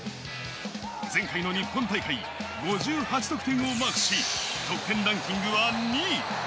前回の日本大会、５８得点をマークし、得点ランキングは２位。